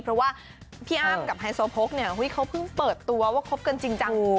เพราะว่าพี่อ้ำกับไฮโซโพกเนี่ยเขาเพิ่งเปิดตัวว่าคบกันจริงจัง